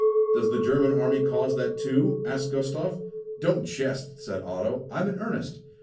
"Does the German army cause that too?" asked Gustav. "Don't jest," said Otto. "I am in earnest."